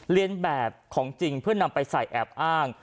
เรียนแบบของจริงเพื่อนำไปใส่แอบอ้าง